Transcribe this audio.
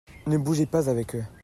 Ne bougez pas avec eux.